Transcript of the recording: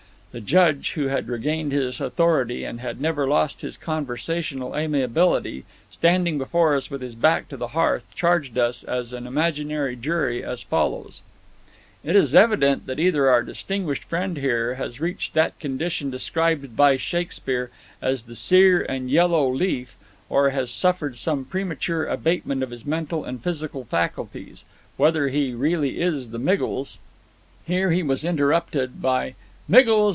The Judge, who had regained his authority, and had never lost his conversational amiability standing before us with his back to the hearth charged us, as an imaginary jury, as follows: "It is evident that either our distinguished friend here has reached that condition described by Shakespeare as 'the sere and yellow leaf,' or has suffered some premature abatement of his mental and physical faculties. Whether he is really the Miggles " Here he was interrupted by "Miggles!